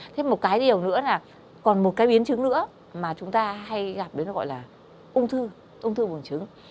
thế một cái điều nữa là còn một cái biến trứng nữa mà chúng ta hay gặp đến nó gọi là ung thư ung thư bùng trứng